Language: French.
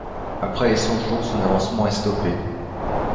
Après les Cent-Jours, son avancement est stoppé.